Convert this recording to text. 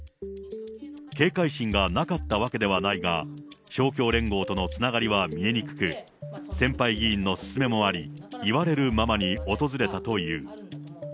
警戒心がなかったわけではないが、勝共連合とのつながりは見えにくく、先輩議員の勧めもあり、言われるままに訪れたという。